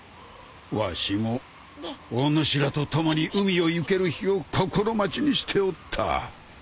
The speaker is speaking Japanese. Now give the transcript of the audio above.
わしもお主らと共に海を行ける日を心待ちにしておった。